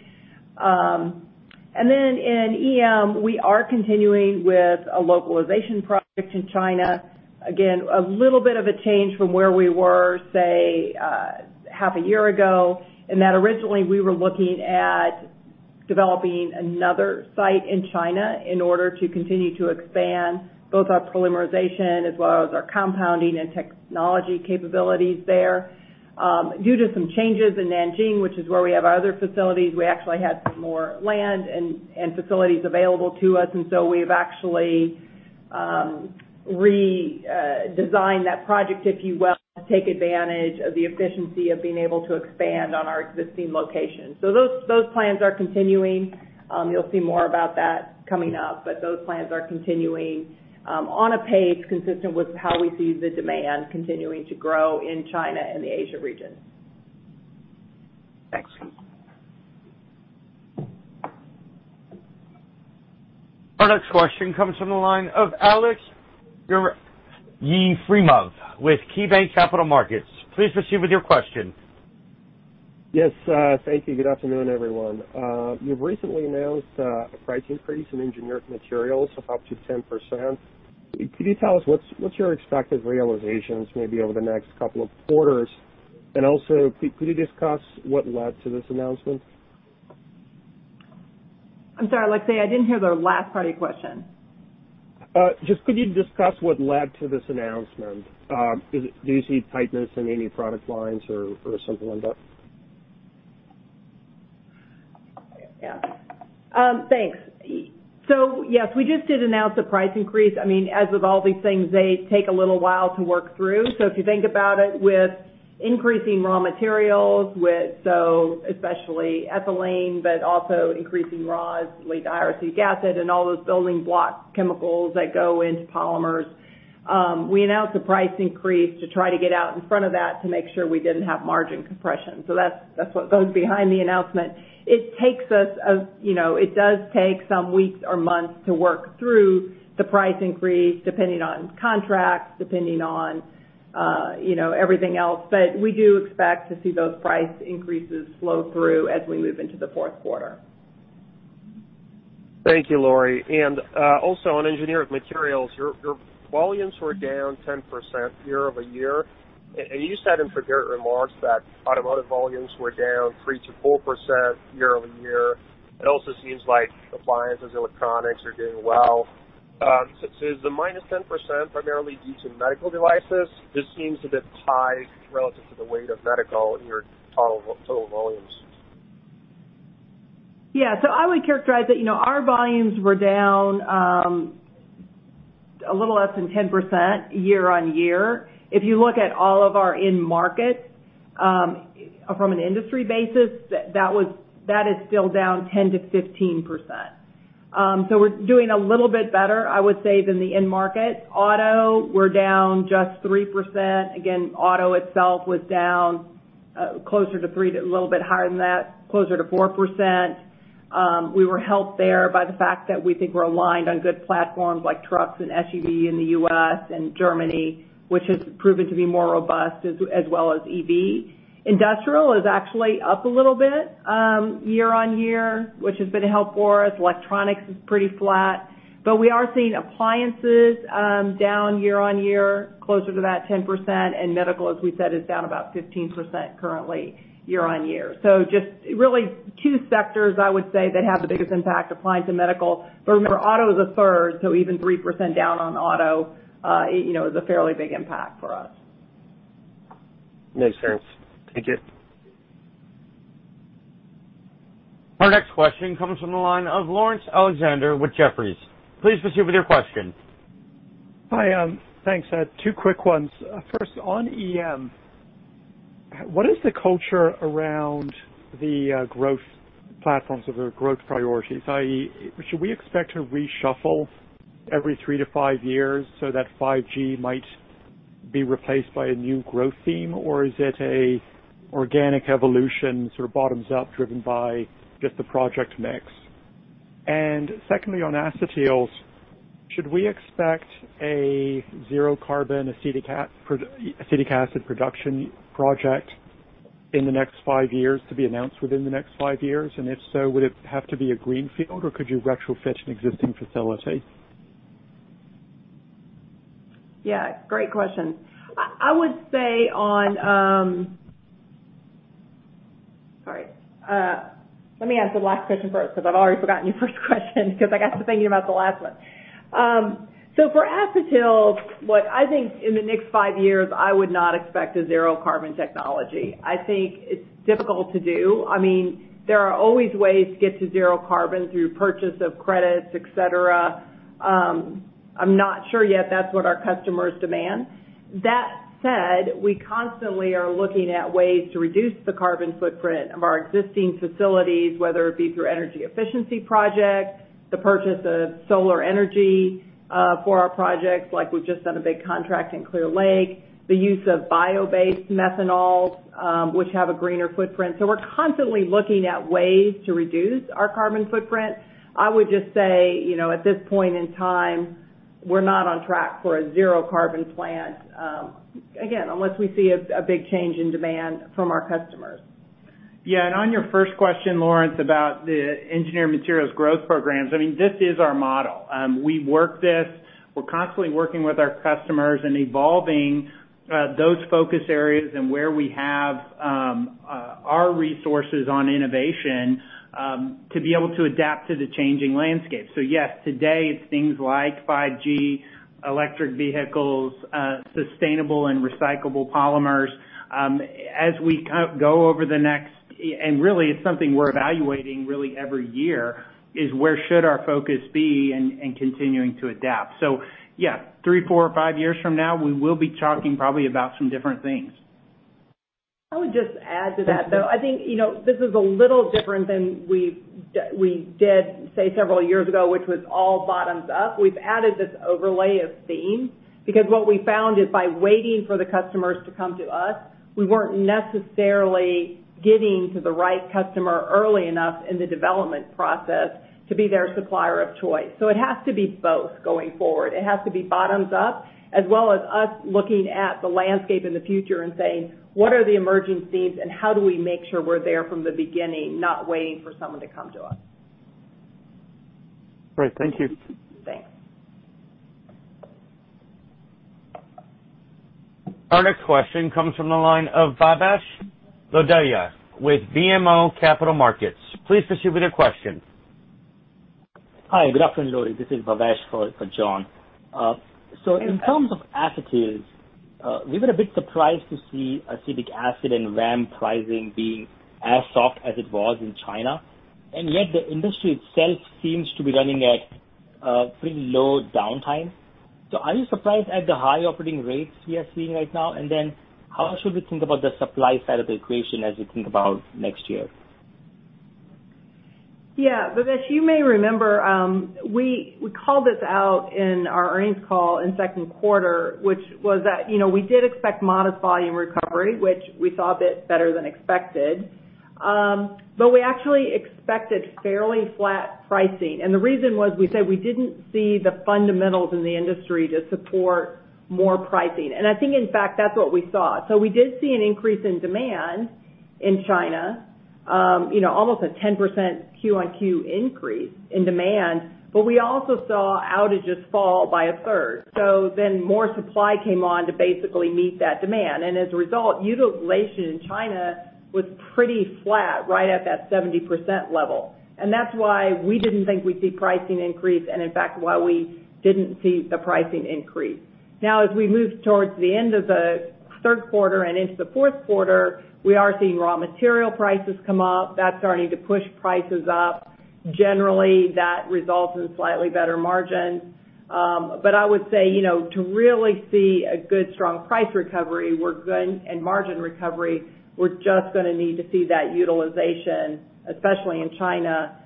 In EM, we are continuing with a localization project in China. Again, a little bit of a change from where we were, say, half a year ago, in that originally we were looking at developing another site in China in order to continue to expand both our polymerization as well as our compounding and technology capabilities there. Due to some changes in Nanjing, which is where we have our other facilities, we actually had some more land and facilities available to us, and so we've actually redesigned that project, if you will, to take advantage of the efficiency of being able to expand on our existing location. Those plans are continuing. You'll see more about that coming up, but those plans are continuing on a pace consistent with how we see the demand continuing to grow in China and the Asia region. Thanks. Our next question comes from the line of Alex Yefremov with KeyBanc Capital Markets. Please proceed with your question. Yes, thank you. Good afternoon, everyone. You've recently announced a price increase in Engineered Materials of up to 10%. Could you tell us what's your expected realizations maybe over the next couple of quarters? also, could you discuss what led to this announcement? I'm sorry, Aleksey. Say again, I didn't hear the last part of your question. Just could you discuss what led to this announcement? Do you see tightness in any product lines or something like that? Yeah. Thanks. Yes, we just did announce a price increase. As with all these things, they take a little while to work through. If you think about it with increasing raw materials, especially ethylene, but also increasing raws like terephthalic acid and all those building block chemicals that go into polymers. We announced a price increase to try to get out in front of that to make sure we didn't have margin compression. That's what goes behind the announcement. It does take some weeks or months to work through the price increase, depending on contracts, depending on everything else. We do expect to see those price increases flow through as we move into the fourth quarter. Thank you, Lori. also on Engineered Materials, your volumes were down 10% year-over-year, and you said in prepared remarks that automotive volumes were down 3%-4% year-over-year. It also seems like appliances, electronics are doing well. Is the minus 10% primarily due to medical devices? This seems a bit high relative to the weight of medical in your total volumes. Yeah. I would characterize it, our volumes were down a little less than 10% year-on-year. If you look at all of our end markets, from an industry basis, that is still down 10%-15%. We're doing a little bit better, I would say, than the end market. Auto, we're down just 3%. Again, auto itself was down closer to 3%, a little bit higher than that, closer to 4%. We were helped there by the fact that we think we're aligned on good platforms like trucks and SUV in the U.S. and Germany, which has proven to be more robust, as well as EV. Industrial is actually up a little bit, year-over-year, which has been a help for us. Electronics is pretty flat. We are seeing appliances down year-on-year, closer to that 10%. medical, as we said, is down about 15% currently year-on-year. Just really two sectors I would say that have the biggest impact, appliance and medical. Remember, auto is a third, so even 3% down on auto is a fairly big impact for us. Makes sense. Thank you. Our next question comes from the line of Laurence Alexander with Jefferies. Please proceed with your question. Hi. Thanks. Two quick ones. First, on EM, what is the culture around the growth platforms or the growth priorities? I.e., should we expect a reshuffle every 3-5 years so that 5G might be replaced by a new growth theme? Is it an organic evolution, sort of bottoms up driven by just the project mix? Secondly, on acetyls, should we expect a zero carbon acetic acid production project in the next five years to be announced within the next five years? If so, would it have to be a greenfield or could you retrofit an existing facility? Yeah, great question. Sorry. Let me answer the last question first because I've already forgotten your first question because I got to thinking about the last one. For acetyls, what I think in the next five years, I would not expect a zero carbon technology. I think it's difficult to do. There are always ways to get to zero carbon through purchase of credits, et cetera. I'm not sure yet that's what our customers demand. That said, we constantly are looking at ways to reduce the carbon footprint of our existing facilities, whether it be through energy efficiency projects, the purchase of solar energy, for our projects like we've just done a big contract in Clear Lake, the use of bio-based methanol, which have a greener footprint. We're constantly looking at ways to reduce our carbon footprint. I would just say, at this point in time, we're not on track for a zero carbon plant. Again, unless we see a big change in demand from our customers. Yeah, on your first question, Laurence, about the Engineered Materials growth programs, this is our model. We work this. We're constantly working with our customers and evolving those focus areas and where we have our resources on innovation, to be able to adapt to the changing landscape. Yes, today it's things like 5G, electric vehicles, sustainable and recyclable polymers. As we go over the next, and really it's something we're evaluating really every year is where should our focus be and continuing to adapt. Yeah, three, four, five years from now, we will be talking probably about some different things. I would just add to that, though, I think this is a little different than we did, say, several years ago, which was all bottoms up. We've added this overlay of themes because what we found is by waiting for the customers to come to us, we weren't necessarily getting to the right customer early enough in the development process to be their supplier of choice. It has to be both going forward. It has to be bottoms up, as well as us looking at the landscape in the future and saying, "What are the emerging themes and how do we make sure we're there from the beginning, not waiting for someone to come to us?" Great. Thank you. Thanks. Our next question comes from the line of Bhavesh Lodaya with BMO Capital Markets. Please proceed with your question. Hi, good afternoon, Lori. This is Bhavesh for John. In terms of acetyls, we were a bit surprised to see acetic acid and VAM pricing being as soft as it was in China, and yet the industry itself seems to be running at pretty low downtime. Are you surprised at the high operating rates we are seeing right now? How should we think about the supply side of the equation as we think about next year? Yeah, Bhavesh, you may remember, we called this out in our earnings call in second quarter, which was that we did expect modest volume recovery, which we saw a bit better than expected. We actually expected fairly flat pricing. The reason was we said we didn't see the fundamentals in the industry to support more pricing. I think, in fact, that's what we saw. We did see an increase in demand in China, almost a 10% Q-on-Q increase in demand, but we also saw outages fall by a third. More supply came on to basically meet that demand. As a result, utilization in China was pretty flat, right at that 70% level. That's why we didn't think we'd see pricing increase and, in fact, why we didn't see the pricing increase. Now, as we move towards the end of the third quarter and into the fourth quarter, we are seeing raw material prices come up. That's starting to push prices up. Generally, that results in slightly better margins. I would say, to really see a good, strong price recovery and margin recovery, we're just going to need to see that utilization, especially in China,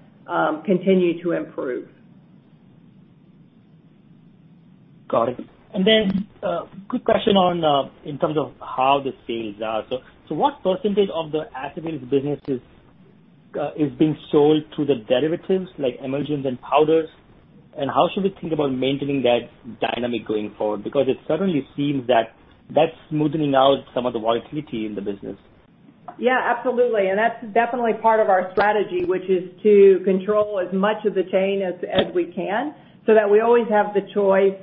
continue to improve. Got it. then a quick question in terms of how the sales are. what percentage of the acetyls business is being sold to the derivatives, like emulsions and powders, and how should we think about maintaining that dynamic going forward? Because it certainly seems that's smoothening out some of the volatility in the business. Yeah, absolutely. That's definitely part of our strategy, which is to control as much of the chain as we can so that we always have the choice,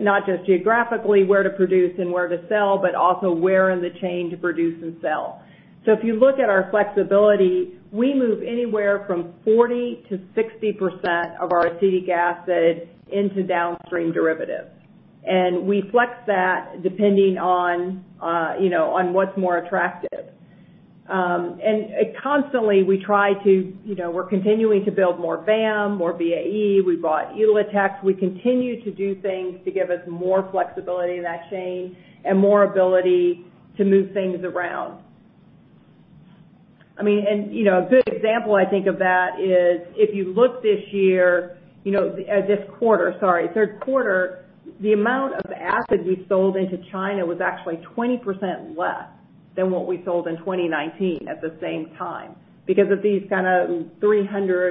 not just geographically, where to produce and where to sell, but also where in the chain to produce and sell. If you look at our flexibility, we move anywhere from 40%-60% of our acetic acid into downstream derivatives. We flex that depending on what's more attractive. Constantly, we're continuing to build more VAM, more VAE. We bought Elotex. We continue to do things to give us more flexibility in that chain and more ability to move things around. A good example, I think, of that is if you look this quarter, third quarter, the amount of acid we sold into China was actually 20% less than what we sold in 2019 at the same time. Because of these kind of $300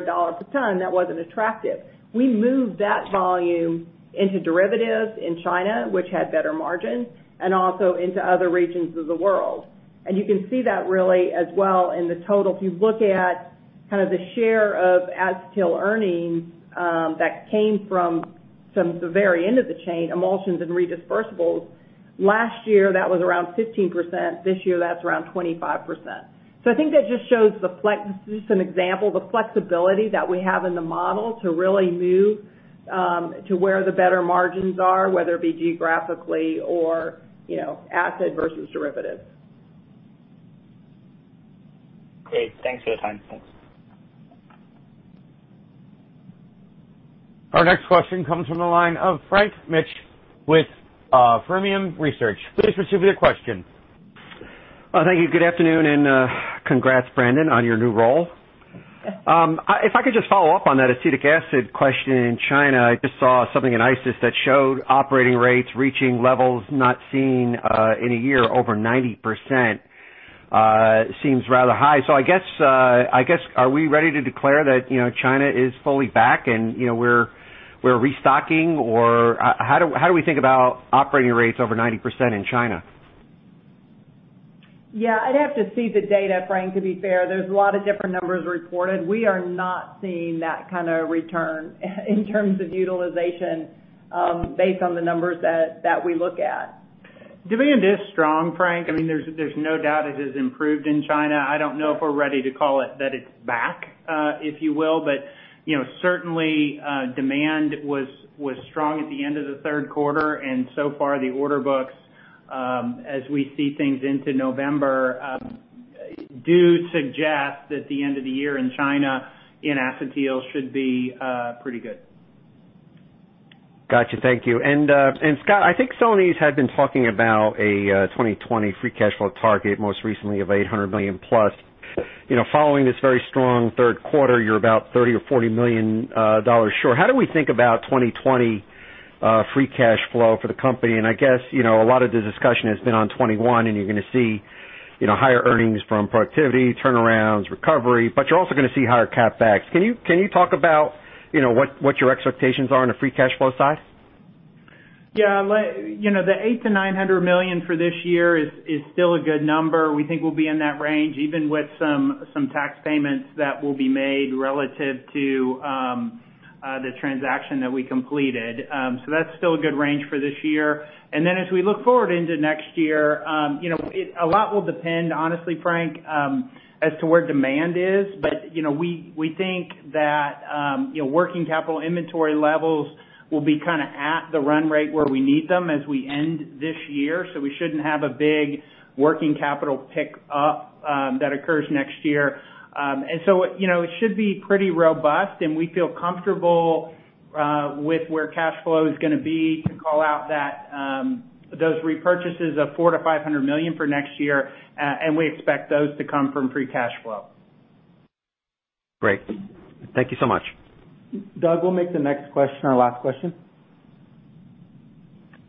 per ton, that wasn't attractive. We moved that volume into derivatives in China, which had better margins, and also into other regions of the world. You can see that really as well in the total. If you look at kind of the share of acetyl earnings that came from the very end of the chain, emulsions and redispersibles, last year, that was around 15%. This year, that's around 25%. I think that just shows an example of the flexibility that we have in the model to really move to where the better margins are, whether it be geographically or acid versus derivatives. Great. Thanks for the time. Thanks. Our next question comes from the line of Frank Mitsch with Fermium Research. Please proceed with your question. Thank you. Good afternoon, and congrats, Brandon, on your new role. Thanks. If I could just follow up on that acetic acid question in China. I just saw something in ICIS that showed operating rates reaching levels not seen in a year, over 90%, seems rather high. I guess are we ready to declare that China is fully back and we're restocking? how do we think about operating rates over 90% in China? Yeah, I'd have to see the data, Frank, to be fair. There's a lot of different numbers reported. We are not seeing that kind of return in terms of utilization based on the numbers that we look at. Demand is strong, Frank. There's no doubt it has improved in China. I don't know if we're ready to call it that it's back, if you will. Certainly demand was strong at the end of the third quarter, and so far the order books, as we see things into November, do suggest that the end of the year in China in acetyl should be pretty good. Got you. Thank you. Scott, I think Celanese had been talking about a 2020 free cash flow target, most recently of $800 million plus. Following this very strong third quarter, you're about $30 million or $40 million short. How do we think about 2020 free cash flow for the company? I guess, a lot of the discussion has been on 2021, and you're going to see higher earnings from productivity, turnarounds, recovery, but you're also going to see higher CapEx. Can you talk about what your expectations are on the free cash flow side? Yeah. The $800 million to $900 million for this year is still a good number. We think we'll be in that range, even with some tax payments that will be made relative to the transaction that we completed. That's still a good range for this year. As we look forward into next year, a lot will depend, honestly, Frank, as to where demand is. We think that working capital inventory levels will be at the run rate where we need them as we end this year. We shouldn't have a big working capital pick up that occurs next year. It should be pretty robust, and we feel comfortable with where cash flow is going to be to call out those repurchases of $400 million to $500 million for next year, and we expect those to come from free cash flow. Great. Thank you so much. Doug, we'll make the next question our last question.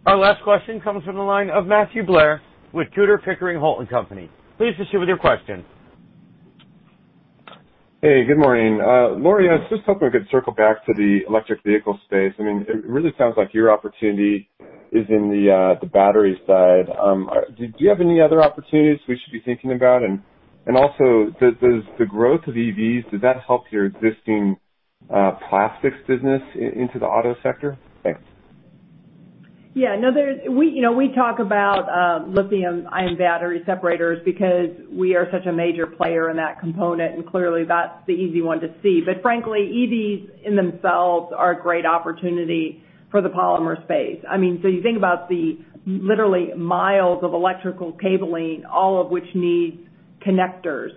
Our last question comes from the line of Matthew Blair with Tudor, Pickering, Holt & Co. Please proceed with your question. Hey, good morning. Lori, I was just hoping we could circle back to the electric vehicle space. It really sounds like your opportunity is in the battery side. Do you have any other opportunities we should be thinking about? also, does the growth of EVs, does that help your existing plastics business into the auto sector? Thanks. Yeah. We talk about lithium ion battery separators because we are such a major player in that component, and clearly, that's the easy one to see. Frankly, EVs in themselves are a great opportunity for the polymer space. You think about the literally miles of electrical cabling, all of which needs connectors.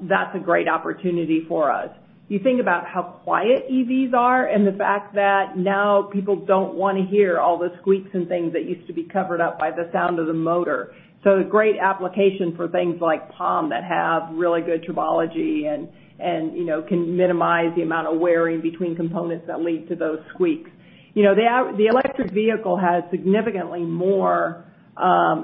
That's a great opportunity for us. You think about how quiet EVs are and the fact that now people don't want to hear all the squeaks and things that used to be covered up by the sound of the motor. A great application for things like PAM that have really good tribology and can minimize the amount of wearing between components that lead to those squeaks. The electric vehicle has significantly more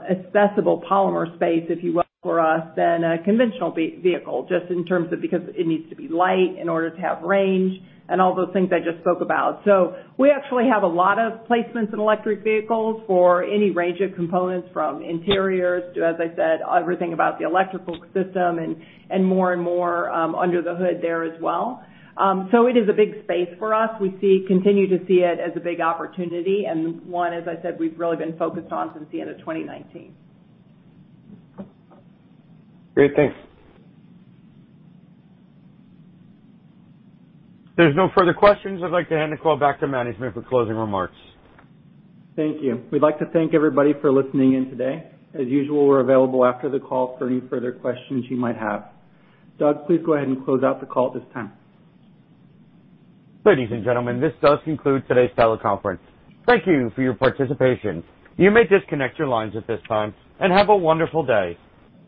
accessible polymer space, if you will, for us than a conventional vehicle, just in terms of because it needs to be light in order to have range and all those things I just spoke about. We actually have a lot of placements in electric vehicles for any range of components from interiors to, as I said, everything about the electrical system and more and more under the hood there as well. It is a big space for us. We continue to see it as a big opportunity and one, as I said, we've really been focused on since the end of 2019. Great. Thanks. If there's no further questions, I'd like to hand the call back to management for closing remarks. Thank you. We'd like to thank everybody for listening in today. As usual, we're available after the call for any further questions you might have. Doug, please go ahead and close out the call at this time. Ladies and gentlemen, this does conclude today's teleconference. Thank you for your participation. You may disconnect your lines at this time, and have a wonderful day.